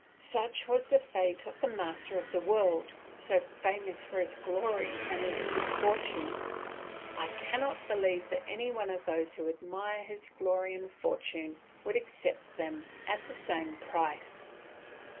Such was the fate of the master of the world, so famous for his glory and his good fortune. I cannot believe that any one of those who admire his glory and fortune would accept them at the same price.